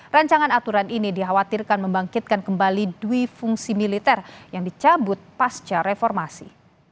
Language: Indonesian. rancangan aturan ini dikhawatirkan membangkitkan kembali dwi fungsi militer yang dicabut pasca reformasi